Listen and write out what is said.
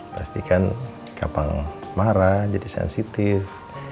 pastikan kapal marah jadi sensitif